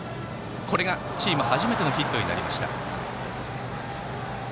これがチーム初めてのヒットになりました。